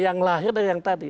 yang lahir dari yang tadi